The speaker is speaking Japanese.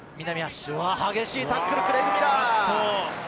激しいタックル、クレイグ・ミラー。